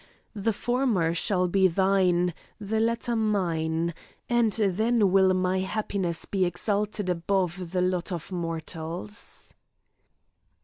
The former shall be thine, the latter mine, and then will my happiness be exalted above the lot of mortals."